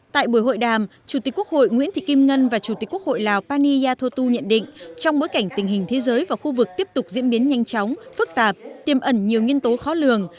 tại buổi hội đàm chủ tịch quốc hội nguyễn thị kim ngân và chủ tịch quốc hội lào pani yathotu nhận định trong bối cảnh tình hình thế giới và khu vực tiếp tục diễn biến nhanh chóng phức tạp tiêm ẩn nhiều nhân tố khó lường